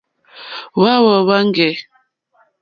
Hwá hwáŋɡè.